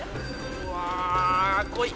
うわこい。